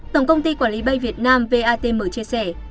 tổng công ty quản lý bay việt nam vatm chia sẻ